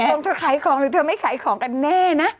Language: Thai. ของเธอขายของหรือเธอไม่ขายของกันแน่นะ